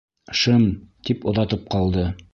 — Шым! — тип оҙатып ҡалды.